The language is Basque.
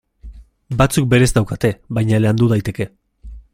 Batzuk berez daukate, baina landu daiteke.